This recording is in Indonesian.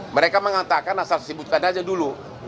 mereka mengatakan asal tersebut kan aja dulu